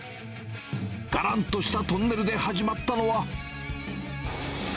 がらんとしたトンネルで始まったのは。